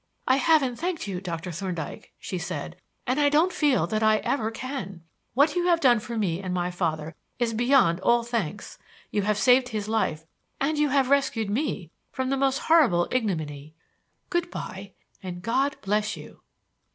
"I haven't thanked you, Doctor Thorndyke," she said, "and I don't feel that I ever can. What you have done for me and my father is beyond all thanks. You have saved his life and you have rescued me from the most horrible ignominy. Good by! and God bless you!"